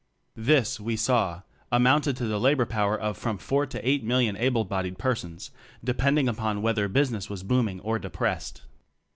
This we saw amounted to the labor power of from four to eight million able bodied persons, depending upon whether business was booming or depressed.